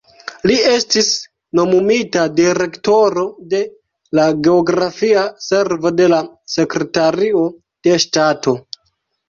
Li estis nomumita direktoro de la geografia servo de la Sekretario de Ŝtato.